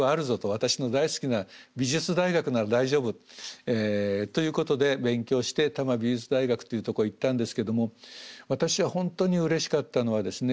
私の大好きな美術大学なら大丈夫ということで勉強して多摩美術大学っていうとこへ行ったんですけども私は本当にうれしかったのはですね